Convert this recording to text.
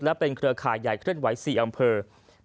และเป็นเครือข่ายใหญ่เคลื่อนไหว๔อำเภอ